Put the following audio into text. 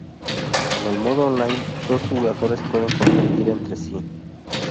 En el modo online, dos jugadores pueden competir entre sí.